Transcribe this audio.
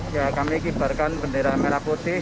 ya kami kibarkan bendera merah putih